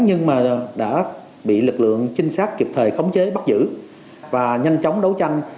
nhưng mà đã bị lực lượng trinh sát kịp thời khống chế bắt giữ và nhanh chóng đấu tranh